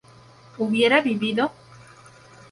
¿hubiera vivido?